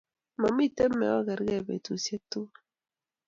Mamiten me ogergei betushiek tugul